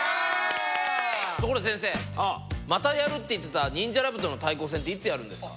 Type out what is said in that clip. ところで先生またやるって言ってたニンジャラ部との対抗戦っていつやるんですか？